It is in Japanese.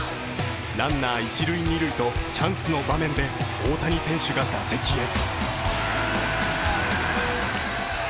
ランナー一塁・二塁とチャンスの場面で大谷選手が打席へ。